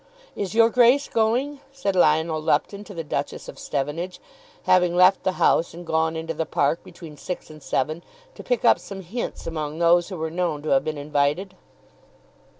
"Is your Grace going?" said Lionel Lupton to the Duchess of Stevenage, having left the House and gone into the park between six and seven to pick up some hints among those who were known to have been invited.